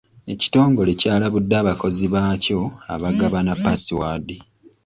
Ekitongole kyalabudde abakozi baakyo abagabana paasiwaadi.